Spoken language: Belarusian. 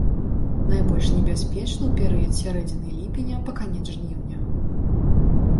Найбольш небяспечны ў перыяд з сярэдзіны ліпеня па канец жніўня.